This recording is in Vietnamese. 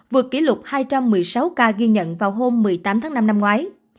vượt kỷ lục hai trăm một mươi sáu ca ghi nhận vào hôm một mươi tám tháng năm năm ngoái